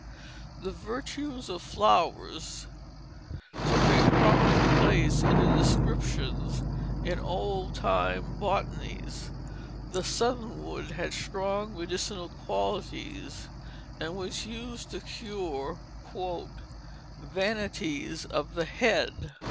The "virtues of flowers" took a prominent place in the descriptions in old time botanies. The southernwood had strong medicinal qualities, and was used to cure "vanityes of the head."